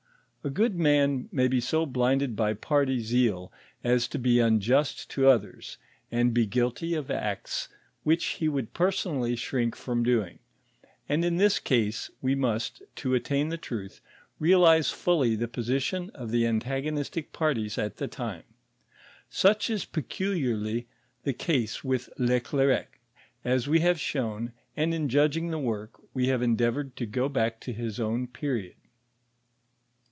A good man may be so blinded by party zeal as to be unjust to others, and bo guilty of acts which he would personally shrink from doing, and in this case we must, to attain the truth, realize fully the position of the antagonistic parties at the time. Such is peculiarly the case with Le Clercq, as we have shown, and in judging the work, we have endeavored to go back to his own period.